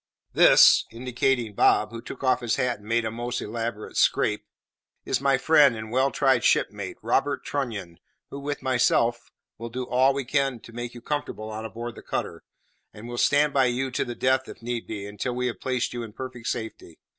This," indicating Bob, who took off his hat and made a most elaborate "scrape," "is my friend and well tried shipmate, Robert Trunnion, who, with myself, will do all we can to make you comfortable on board the cutter, and will stand by you to the death if need be, until we have placed you in perfect safety."